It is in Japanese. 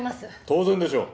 当然でしょう！